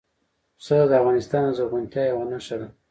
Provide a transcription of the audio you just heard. پسه د افغانستان د زرغونتیا یوه نښه ده.